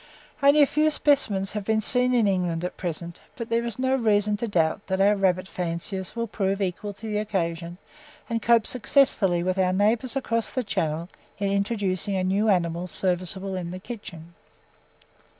Only a few specimens have been seen in England at present, but there is no reason to doubt that our rabbit fanciers will prove equal to the occasion, and cope successfully with our neighbours across the Channel in introducing a new animal serviceable in the kitchen.